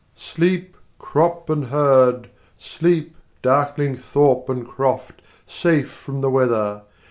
Sleep, crop and herd! sleep, darkling thorpe and croft, Safe from the weather!